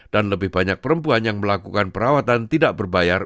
dan lebih banyak perempuan yang melakukan perawatan tidak berbayar